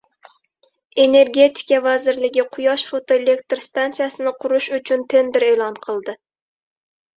Energetika vazirligi quyosh fotoelektr stansiyasini qurish uchun tender e’lon qildi